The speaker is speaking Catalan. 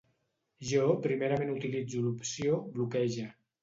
Jo primerament utilitzo l'opció Bloqueja.